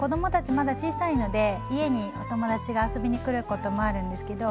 まだ小さいので家にお友達が遊びに来ることもあるんですけど私